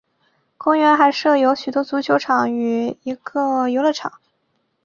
公园还设有许多足球场与一个游乐场。